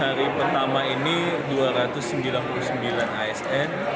hari pertama ini dua ratus sembilan puluh sembilan asn